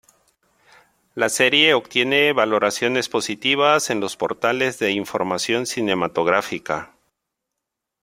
La serie obtiene valoraciones positivas en los portales de información cinematográfica.